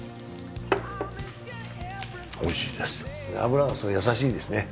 おいしいです